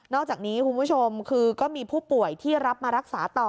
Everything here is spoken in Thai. อกจากนี้คุณผู้ชมคือก็มีผู้ป่วยที่รับมารักษาต่อ